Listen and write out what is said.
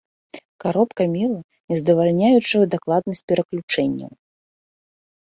Каробка мела нездавальняючую дакладнасць пераключэнняў.